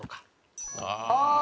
ああ！